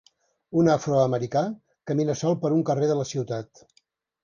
Un afroamericà camina sol per un carrer de la ciutat.